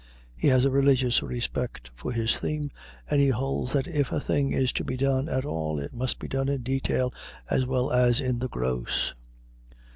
He has a religious respect for his theme and he holds that if a thing is to be done at all it must be done in detail as well as in the gross.